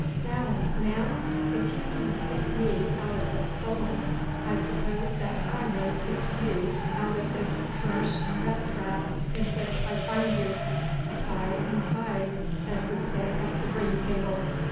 'Zounds, man! if you can pick me out of the Solent, I suppose that I may pick you out of this accursed rat trap in which I find you. Tie and tie, as we say at the green table.